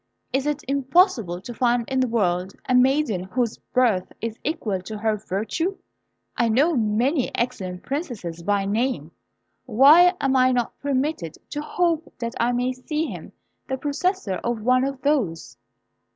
Is it impossible to find in the world a maiden whose birth is equal to her virtue? I know many excellent princesses by name; why am I not permitted to hope that I may see him the possessor of one of those?"